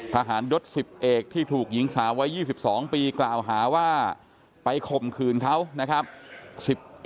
ทหารยศ๑๐เอกที่ถูกหญิงสาววัย๒๒ปีกล่าวหาว่าไปข่มขืนเขานะครับ